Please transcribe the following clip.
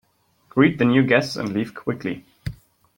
Greet the new guests and leave quickly.